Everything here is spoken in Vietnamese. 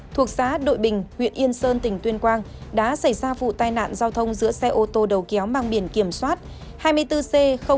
thuộc xã đội bình huyện yên sơn tỉnh tuyên quang đã xảy ra vụ tai nạn giao thông giữa xe ô tô đầu kéo mang biển kiểm soát hai mươi bốn c bốn nghìn một trăm hai mươi tám